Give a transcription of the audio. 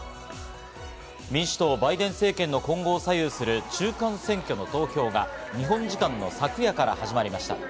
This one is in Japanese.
民主党、バイデン政権の今後を左右する中間選挙の投票が日本時間の昨夜から始まりました。